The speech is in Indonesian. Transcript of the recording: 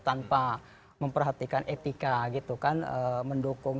tanpa memperhatikan etika gitu kan mendukung